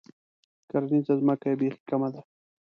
کرنیزه ځمکه یې بیخي کمه ده.